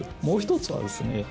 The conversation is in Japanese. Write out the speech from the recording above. もう１つはですね